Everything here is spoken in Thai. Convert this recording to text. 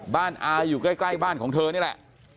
อาอยู่ใกล้บ้านของเธอนี่แหละ